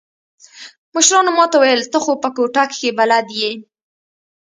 مشرانو ما ته وويل ته خو په کوټه کښې بلد يې.